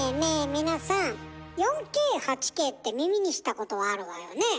皆さん４Ｋ８Ｋって耳にしたことはあるわよね。